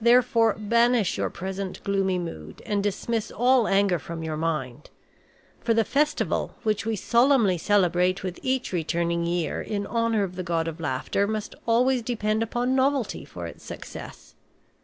Therefore, banish your present gloomy mood and dismiss all anger from your mind. For the festival, which we solemnly celebrate with each returning year in honor of the God of Laughter, must always depend upon novelty for its success.